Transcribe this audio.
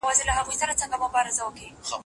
تاسو په کمپيوټر پوهنه کي د چا لارښوونه منئ؟